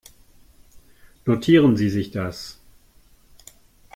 Notieren Sie sich das.